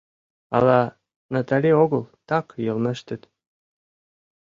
Ала Натали огыл, так йылмештыт.